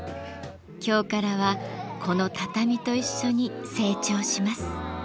今日からはこの畳と一緒に成長します。